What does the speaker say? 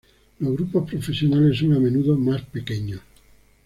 Los grupos profesionales son a menudo más pequeños.